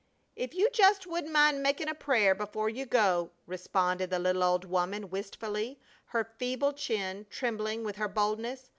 "If you just wouldn't mind makin' a prayer before you go," responded the little old woman, wistfully, her feeble chin trembling with her boldness.